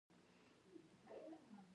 د مزار د کود او برق فابریکه څومره مهمه ده؟